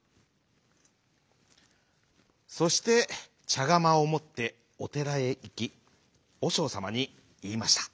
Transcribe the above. そしてちゃがまをもっておてらへいきおしょうさまにいいました。